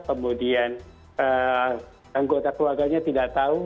kemudian anggota keluarganya tidak tahu